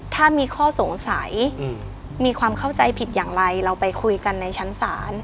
ถ้ามีข้อสงสัยมีความเข้าใจผิดอย่างไรเราไปคุยกันในชั้นศาล